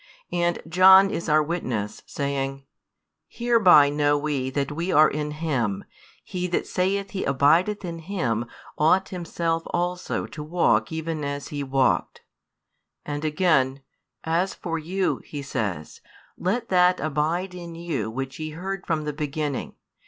And John is our witness, saying: Hereby know we that we are in Him: he that saith he abideth in Him ought himself also to walk even as He walked; and again: As for you, he says, let that abide in you which ye heard from the beginning.